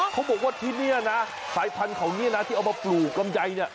เขาบอกว่าที่นี่นะสายพันธุ์เขาเนี่ยนะที่เอามาปลูกลำไยเนี่ย